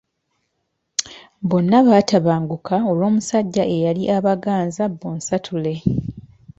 Bonna baatabanguka olw’omusajja eyali abaganza bonsatule.